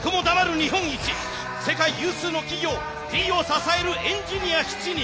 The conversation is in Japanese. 世界有数の企業Ｔを支えるエンジニア７人。